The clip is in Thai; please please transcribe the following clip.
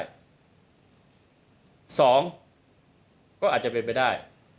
สองก็อาจจะเป็นไปได้